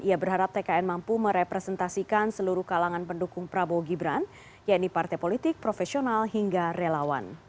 ia berharap tkn mampu merepresentasikan seluruh kalangan pendukung prabowo gibran yaitu partai politik profesional hingga relawan